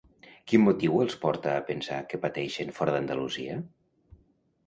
Quin motiu els porta a pensar que pateixen fora d'Andalusia?